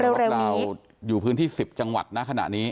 วัดลาวอยู่พื้นที่๑๐จังหวัดนะขณะนี้